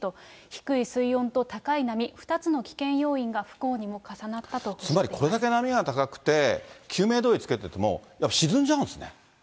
低い水温と高い波、２つの危険要因が、つまりこれだけ波が高くて、救命胴衣を着けてても、やっぱり沈んじゃうんですね。